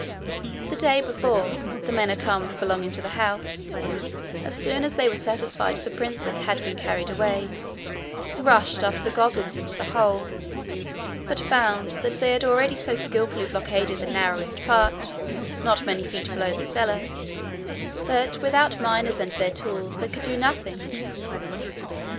The day before, the men at arms belonging to the house, as soon as they were satisfied the princess had been carried away, rushed after the goblins into the hole, but found that they had already so skilfully blockaded the narrowest part, not many feet below the cellar, that without miners and their tools they could do nothing.